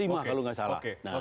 kalau nggak salah